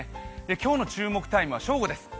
今日の注目タイムは正午です。